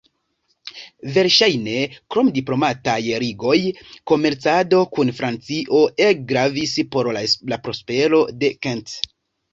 Verŝajne, krom diplomataj ligoj, komercado kun Francio ege gravis por la prospero de Kent.